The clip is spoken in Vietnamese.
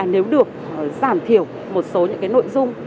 nếu được giảm thiểu một số những nội dung